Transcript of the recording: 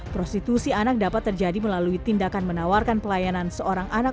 prostitusi anak dapat terjadi melalui tindakan menawarkan pelayanan seorang anak